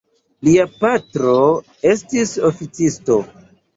Lia patro estis oficisto.